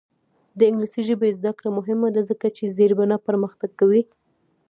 د انګلیسي ژبې زده کړه مهمه ده ځکه چې زیربنا پرمختګ کوي.